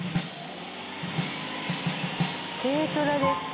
軽トラで。